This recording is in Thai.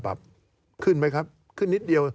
การเลือกตั้งครั้งนี้แน่